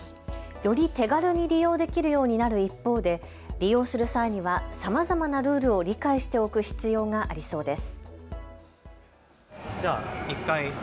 より手軽に利用できるようになる一方で利用する際にはさまざまなルールを理解しておく必要がありそうです。